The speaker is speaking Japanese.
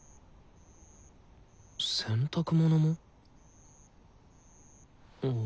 洗濯物も。